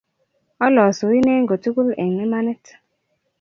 Olosu Ine kotugu n en imanit